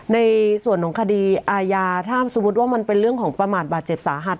ในส่วนของคดีอาญาถ้าสมมุติว่ามันเป็นเรื่องของประมาทบาดเจ็บสาหัส